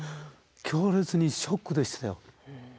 強烈にショックでしたよ。